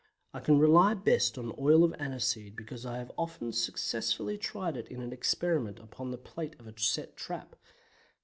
I can rely best on oil of aniseed, because I have often successfully tried it in experiment upon the plate of a set trap.